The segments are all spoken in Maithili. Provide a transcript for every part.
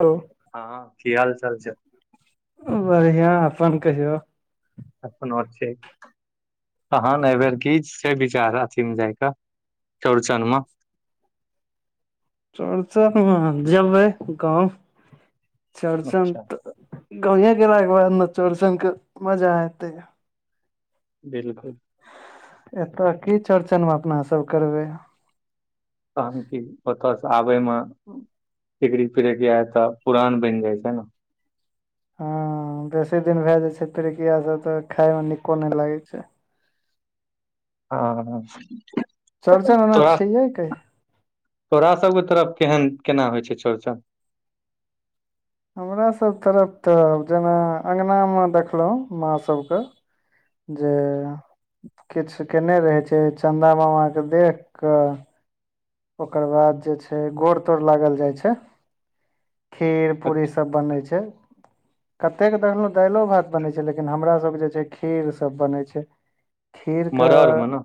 हलो हँ की हाल चाल छै बढ़िआं अपन कहियौ अपनो ठीक तहन ऐबेर किछ छै विचार अथी मे जाइकेऽ चौरचनमे चौरचन मे जेबै गाँव चौरचन अच्छा तऽ गावे गला कऽ बाद नऽ चौरचनके मजा एयतै बिल्कुल एत की चौरचनमे अपना सब करबै तहन की ओतयसँ आबे मऽ टिकरी पिरिकिया तऽ पुरान बनि जाइ छैन हँ बेसी दिन भए जेतै पिरिकिया सब तऽ खाय मऽ नीको नै लागै छैय हँ चौरचन ओना तोरा छैये कहिया तोरा सबके तरफ केहन केना होइ छैय चौड़चन हमरा सभ तरफ तऽ जेना अङ्गनामे देखलहुँ माँ सभकऽ जे किछ केने रहै छैय चन्दा मामा कऽ देख कऽ ओकर बाद जे छै गोड़ तोर लागल जाय छै खीर पूरी सब बनै छैय कतेक देखलहुँ दालिओ भात बनै छै लेकिन हमरा सभके जे छैय खीर सभ बनै छै खीर मड़ड़ कऽ मे ने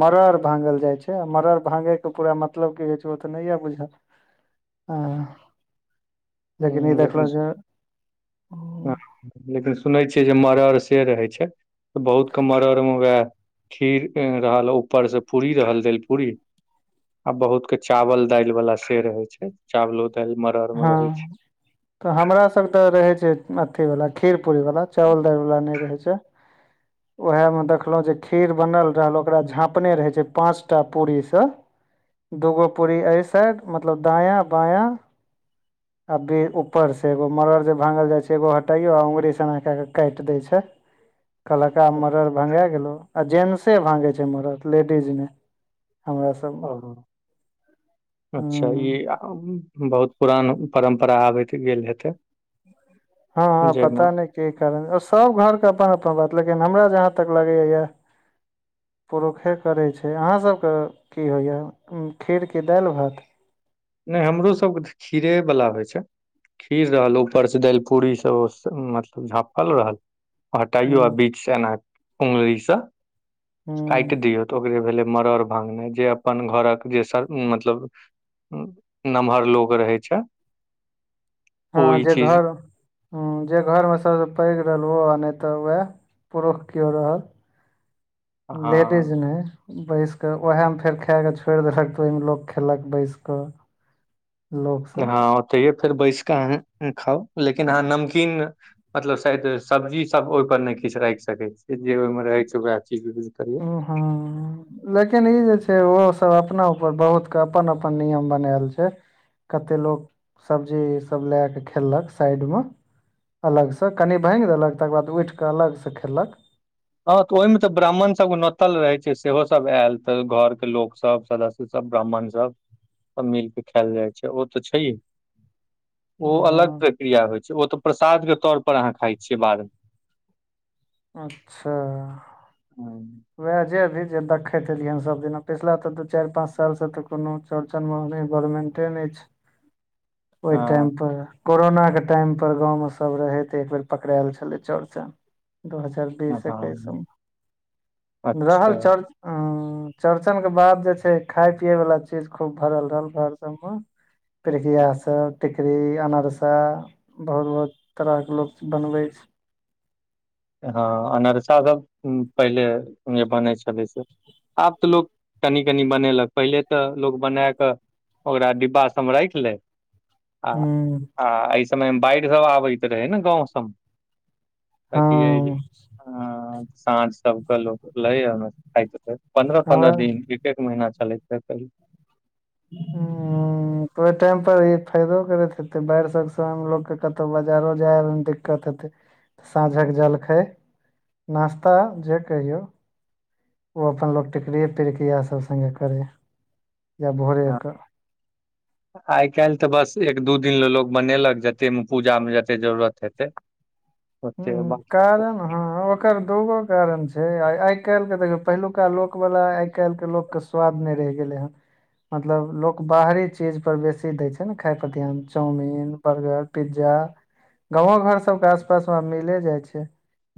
मड़ड़ भांगल जाइ छै मरड़ भांगैके पूरा मतलब की हो छै ओ तऽ नहिये बुझल हऽ लेकिन ई देखलू जे लेकिन सुनै छियै जे मड़ड़ से रहै छै बहुत के मड़ड़ मऽ वेह खीर के रहल ऊपर सँ पूरी रहल दाइल पूरी आ बहुत कऽ चावल दालि वाला से रहे छै चावलो दाइल मरर में हँ रहे छै तऽ हमरा सब तऽ रहै छै अथीवाला खीर पूरी वाला चावल दालि वाला नै रहै छै [inaudible] ओएहे में देखलौं जे खीर बनल रहल ओकरा झापने रहै छै पांच टा पूरी सऽ दूगो पूरी एहि साइड मतलब दायाँ बायाँ अभी ऊपर सऽ एगो मड़ड़ जे भांगल जाय छै एगो हटयो अंगुरी स एना के के काट देय छै [inaudible] कहलकऽ आब मरड़ भंगा गेलो आ जेंट्से भंगे छै मरड़ लेडीज ने हमरा सब में ओ अच्छा ई हूं बहुत पुरान परम्परा आबैत गेल हेतेय हँ हँ पता नहि की कारण सब घरके अपन अपन बात लेकिन हमरा जहााँ तक लगैय यऽ पुरुखे करै छैय अहाँ सबके की होइएा खीरकी दालि भात नहि हमरो सबके तऽ खीरे बला होइ छैय खीर रहल ऊपरसँ दालि पूड़ी सब मतलब झाँपल रहल हूं हटाइयो आ बीच सऽ एना उगलीसँ हूं काटि दियऔ तऽ ओकरे भेलै मड़ड़ भांगना जे अपन घरक जे मतलब नमहर लोग रहेय छैय हँ जे घर जे घरमे सभसँ पैघ रहल ओ आ नहि तऽ उएह पुरुष केओ रहल [inaudible] हँ लेडीज ने बैस कऽ उएहमे फेर खाए कऽ छोड़ि देलक तऽ ओहिमे लोक खयलक बैसि कऽ हँ ओतहिे फेर बैस कऽ अहाँ खाउ लेकिन अहाँ नमकीन मतलब शायद सब्जी सब ओय पर ने किछ राखि सके छी जे ओय मे रहे छै वह चीज यूज करियो ओ हाँ लेकिन ई जे छै। ओहोसभ अपना उऊपर बहुतके अपन अपन नियम बनायल छै। कते लोक सब्जी सभ लए कऽ खेललक साइड में अलगसँ कनि भाङगि देलक तकर बाद उठिकऽ अलगसँ खेलक हँ तऽ ओहिमे तऽ ब्राह्मण सभ नोतल रहै छै। सेहो सभ आयल तऽ घोर के लोक सभ सदस्य सभ ब्राह्मण सभ सभ मिलके खायल जाइ छै। ओ तऽ छैहे ओ अलग उम्म प्रक्रिया होइत छै। ओ तऽ प्रसाद के तौर पर अहाँ खाइ छियै बाद में अच्छा उएह जेभी जे देखैत एलिय हन सभदि पिछिला तऽ दू चारि पाँच सालसँ तऽ कोनो चौड़चन मोहनी बैडमिंटन अछि। [inaudible] ओहि टाइम हँ पर कोरोना के टाइम पर गाँवमे सभ रहैत एकबेर पकड़ाएल छलै चौरचन दू हजार बीस एकैस हँ में अच्छा रहल चर्च उ चौड़चन के बाद जे छै। खााय पिये वाला चीज खूब भरल रहल घोर सभ पर पिड़की हास टिकरी अनारसा बहुत बहुत तरहके लोक बनबै छै। हँ अनरसा सभ पहिले जे बनै छलै से आब तऽ लोक कनि कनि बनेलक पहिले तऽ लोक बना कऽ ओकरा डिब्बा सभ राखि ले आ हूं आ एहि समय में बाढ़ि सभ आबैत रहे ने गाँंव सभ हँ साँझ सभ के लोक लै पन्द्रह पन्द्रह आर दिन एक एक महीना चलैत छै। हुम्म तऽ ओहि टाइम पर ई फायदो करैत हेतै बाढ़ि सभ समय मे लोक के कतहु बाजारो जाय-आवय में दिक्कत हेतै तऽ साँझ कऽ जलखै नास्ता जे कहिऔ ओ अप्पन लोक टिकरियए पिरक इह सभ संगे करै या भोरेके आइ काल्हि तऽ बस एक दू दिन ल लोको बनेलक जतेकमे पूजा में जतेक जरूरत हेतै ह ओते बाकी कारण हँ ओकर दूगो कारण छै। आइ काल्हि के देखियौ पहिलुका लोक वला आइ काल्हिके लोक के स्वाद नहि रहि गेलै हेन मतलब लोक बाहरी चीज पर बेसी दय छै। ने खाय पर ध्यान चाउमिन बर्गर पिज्जा गाँवो घोर सभ के आसपास में आब मिले जाइ छै।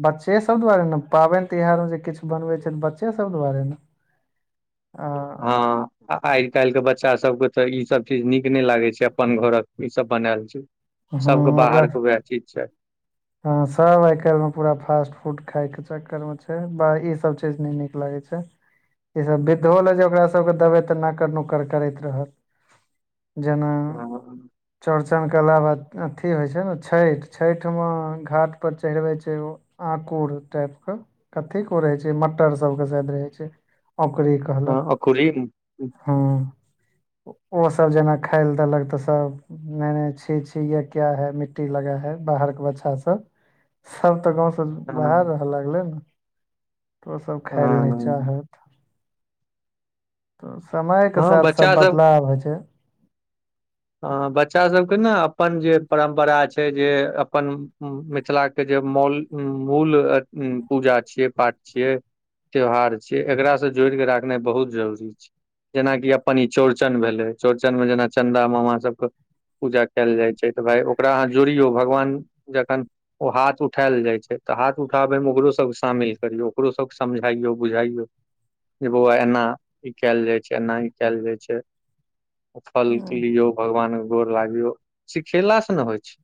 बच्चे सभ दुआरे ने पाबनि- तिहार जे किछु बनबै छै। बच्चे सभ दुआरे ने। आ [inaudible] हँ आ आइ काल्हिके बच्चा सभ के तऽ ई सभ चीज नीक नै लागै छै। अप्पन घोरक ई सभ बनाल छै। हां सभ के बाहर के वैह चीज छै। हँ सभ आइ काल्हिमे पूरा फास्ट फूड खायके चक्कर में छै। बा इ सभ चीज नै नीक लागै छै। ई सभ विधो ल जे ओकरा सभ के देबै तऽ नाकड़ नुकड़ करैत रहत जेना छै चौड़चन केला बाद अथी होइ छै। ने छठि में घाट पर चढ़बै छै। ओ आकुर टाइप कऽ कथी के ओ रहै छै। मटर सभ के शायद रहै छै। औकड़ी कहलक हँ खुली हँ ओ सभ जेना खाय लए देलक तऽ सभ नहि नहि छी छी यह क्या है मिट्टी लगा है बाहर के बच्चा और सभ सभ तऽ गाँव सऽ बाहर हँ रहऽ लगले ने ओ सब खाय लऽ नै हँ चाहे [inaudible] तऽ समय केँ हँ साथ बच्चा सब बदलाव होइ छै हँ बच्चा सब कऽ न अपन जे परम्परा छै जे अपन मिथिला केँ जे मौल हु मूल आ पूजा छियै पाठ छियै। त्यौहार छिय एकरा सऽ जोड़ कऽ राखनाइ बहुत जरूरी छै। जेनाकि अपन ई चौड़चन भेलै चौड़चन में जेना चन्दा मामा सब कऽ पूजा कैल जाइ छै तऽ भाय ओकरा अहाँ जोड़ियौ भगवान जखन ओ हाथ उठायल जाइ छै तऽ हाथ उठाबै मे ओकरो सब शामिल करियौ ओकरो सबके समझइयो-बुझाइयो जे बौआ एना ई कैल जाय छै एना ई कैल जाय छै। फलके लियौ भगवान कऽ गोर लागियौ सिखला सँ ने होइ छै [inaudible]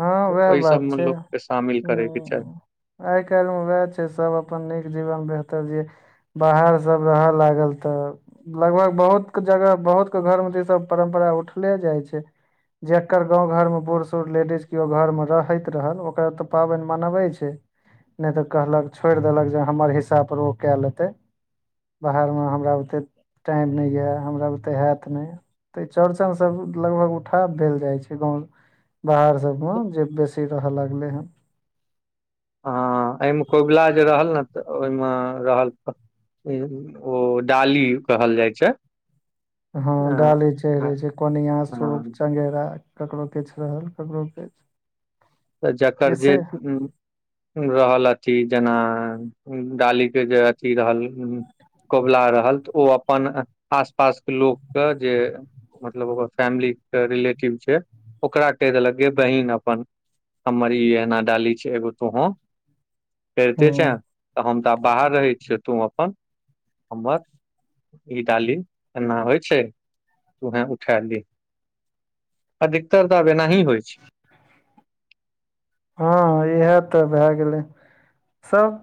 हँ तऽ उहे ओहि बात सबमे छै लोक के शामिल करे के चाही [unintelligible] आइ काइल म उहै छै सब अपन नीक जीवन बेहतर जी बाहर सब रह लागल तऽ लगभग बहुत कऽ जगह बहुत कऽ घरमे तऽ ई सब परम्परा उठले जाइ छै जेकर गाँव घर में बूढ़ सूढ़ लेडीज केओ घरमे रहैत रहल ओकरा तऽ पाबैन मनबै छै नै तऽ कहलक छोड़ देलक जे हमर हिसा पर ओ कए लेतै। बाहर मे हमरा बुते [inaudible] टाइम नै यऽ हमरा बुते हैत नैय तऽ चौड़चन सब लगभग उठाव भेल जाइ छै गाँव [inaudible] बाहर सब हँ जे बेसी रह लागले हन हँ अइमे कौबला जे रहल ने तऽ ओईमे रहल तऽ ओ डाली कहल जाइ छै। हँ ह डाली चढ़ रहै ह छै कोनिया सूप चगेरा ककरो किछ रहल ककरो किछ। तऽ जकर जे जैसे रहल अथी जेना डाली केँ जे अथी रहल कबुला रहल तऽ ओ अपन आस पास केँ लोक कऽ जे मतलब ओकर फैमिली कऽ रिलेटिव छै ओकरा कहि देलक गई बहिन अपन हमर ई एना डाली छै एगो तुहु [inaudible] करते छै हूँ तऽ हम तऽ आब बाहर रहै छिय तुम अपन [inaudible] हमर ई डाली एना होइ छै [inaudible] वहे उठा ली अधिकतर तऽ आब एनाही होइ छै हँ इएह तऽ भेए गेलै [inaudible] सब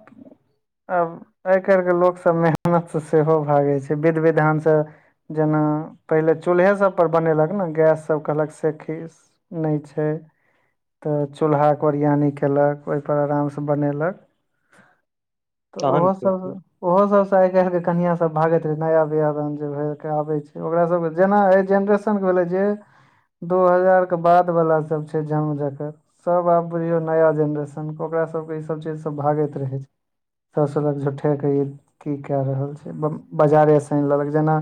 आब आइ काइल कऽ लोक सभ मेहनत स सेहो भागै छैय विध विधानसँ जेना पहिले चूल्हे सभ पर बनेलक न गैस सभ कहलक सेखीस नै छैय [inaudible] तऽ चूल्हा करिया नै कैलक ओइपर आरामसँ बनेलक। तऽ ओहो तहन सब ओहो सब से आइ काइल केँ कनिया सब भागैत रहे नया बियाह दान भैऽ कऽआबे छैय। ओकरा सब के जेना ए जेनर सन बला जे [inaudible] दू हजार कऽ बाद वाला सब छैय झमझक सब आब बुझियौ नया जेनरेशनके ओकारा सभ केँ इसभ चीजसँ भागैत रहै छैय। तसलक झू्ठेके ई की कए रहल छैय बाजारे सँ आइन लेलक जेना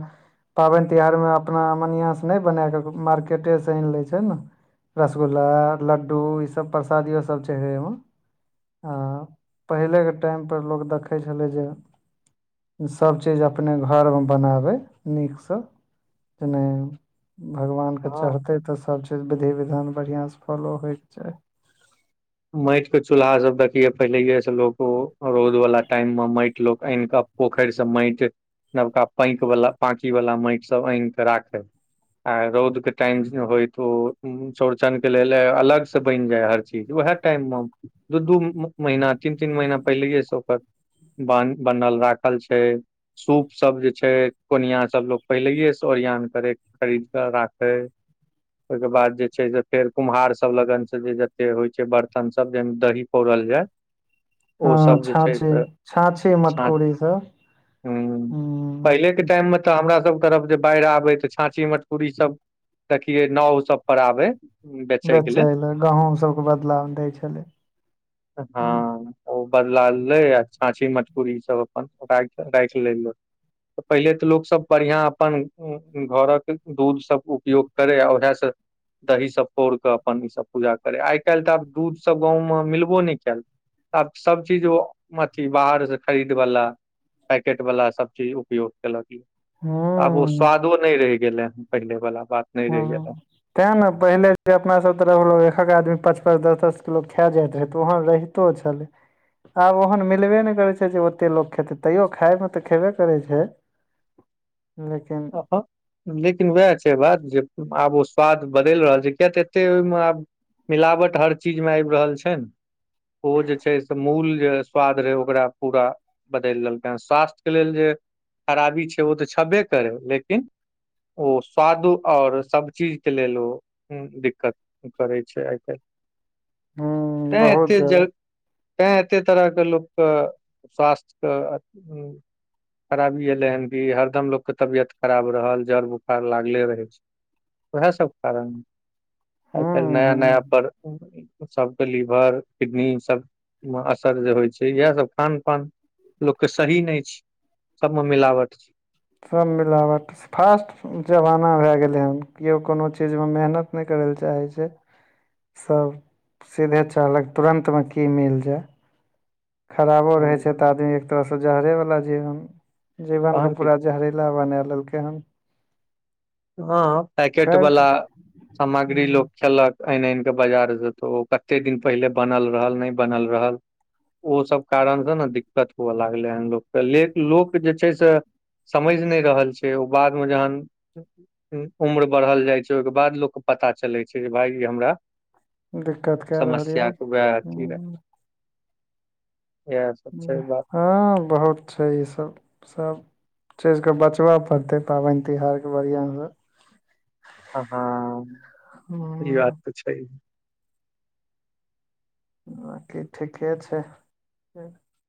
पाबैन तिहारमे अपना मनिआँसँ नै बनाए कऽ मार्केटेसँ आइन लै छैय ने। रसगुल्ल लड्डु इसभ प्रसादिओसभ छैय हो ओमे। आ पहिले केँ टाइमपर लोक देखैत छलै जे सभचीज अपने घर मे बनाबै नीकसँ तेनय भगवान के हँ चढ़तै तऽ सभचीज विधि विधान बढ़िआँसँ फॉलो होइके चाही मइटके चूल्हा सब देखियए पहिलहिएसँ लोक रौद वालला टाइम मे मईट लोक आनि कऽ पोखरि से मईट नबका पैंक वला पांकी वला मईट सब आन के राखै आ रौद के टाइम होय त ओ चौरचन के लेल अलग से बइन जाय हर चीज उएह टाइम म दू दू महिना तीन तीन महिना पहिले स ओकर बान बनल राखल छैय सूप सब जे छैय कोनियासभ लोक पहिलएसँ ओरियन करय खरीद क राखै ओईक बाद जे छैय से फेर कुम्हार सब लगन से जे जते होय छैय बर्त न स जाहिमे दही पौरल जायत हँ छाछी छाछी मटकोरी सब हँ हूँ पहिले क टाइम मे तऽ हमरा सब तरफ जे बाइढ़ आबे तऽ छाँछी मटकूरी सब देखियए नाव सब पर आबे बेचय लए गहूम सभके बदला मे दै छलै हँ ओ बदला ले आ छाँछी मटकूरी इ सब अपन राख लेय लोक पहिले तऽ लोकसभ बढ़िआँ अपन घरक दूधसभ उपयोग करै आ उएहसँ दहीसभ पौरि कऽ अपन ईसभ पूजा करय आइ काल्हि तऽ आब दूधसभ गाँवमे मिलबो नय केयल। आब सब चीज ओ अथि बाहर से खरीद वला पैकेट वाला सब चीज उपयोग केलक आब ओ हूँ स्वादो नय रहि गेलै हन पहिले बाला बात नहि हँ रहि गेलै हन। तैँ ने पहिले जे अपनासभ तरफ लोक एकहक आदमी पाँच पाँच दस दस किलो खाए जाइत रहै तऽ ओहन रहिै तो छले आब ओहन मिलबे नय करैय छैय जे ओतेक लोक खेतै तैयो खाायमे तऽ खयबे करै छैय लेकिन लेकिन वएह छैय बात जे आब ओ स्वाद बदैल रहल छै किय तऽ एते ओहिमे आब मिलावट हर चीज मे आइब रहल छैन ओ जे छैय से मूल जे स्वाद रहै ओकरा पूरा बदेइल दलकेन स्वास्थ्यके लेल जे खराबी छैय ओ तऽ छेबे करै लेकिन ओ स्वादो और सब चीज के लेल ओ दिक्कत करै छैय आइ काइल हूँ तैं बहुत ऐते जादा तैं एते तरह के लोकक स्वास्थ्यक खराबी एलै हन की हरदम के तबियत ख़राब रहल जड़ बुखार लागले रहे छैय वएह सब कारण आइ काल हूँ नया नया हूँ पर सबके लीवर किडनी सब म असर जे होइ छैय इएह सब खान पान लोकके सही नइ छी सभमे मिलावट सब मिलावट फास्ट जमाना भे गेले हन कियो कोनो चीज में मेहनत नय कराल चाहै छै सब सीधे चाहलक तुरन्त मे की मिल जाय खराबो रहै छै तऽ तहन आदमी एक तरह से जहरे वाला जीवन जीवन के की पूरा जहरीला बना लेलकै हन हँ पैकेट खैर वाला हूँ, सामग्री लोक खेलक आनि आनि कऽ बाजार से तऽ ओ कते दिन पहिले बनल रहल नहि बनल रहल ओसभ कारणसँ नऽ दिक्कत हुवए लागलै हन लोकके ल लोक जे छै से समझ नहि रहल छै ओ बादमे जहन उम्र बढ़ल जाइ छैय ओहिके बाद लोकके पता चलै छै जे भाय ई हमरा दिक्कत कए रहल समस्या ये कऽ वएह अथी रहै छै बात हँ बहुत छै ईसभ सभ चीजके बचबा पड़तै पाबनि तिहारके बढ़िआँसँ हँ हँ ई बात तऽ छै बाकी ठीके छैय